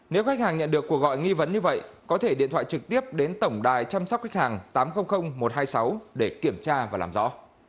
nếu khách hàng nhận được cuộc gọi nghi vấn như vậy có thể điện thoại trực tiếp đến tổng đài chăm sóc khách hàng tám trăm linh một trăm hai mươi sáu để kiểm tra và làm rõ